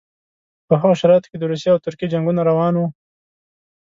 په هغو شرایطو کې د روسیې او ترکیې جنګونه روان وو.